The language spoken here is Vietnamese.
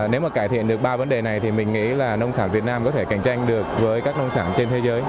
nếu mà cải thiện được ba vấn đề này thì mình nghĩ là nông sản việt nam có thể cạnh tranh được với các nông sản trên thế giới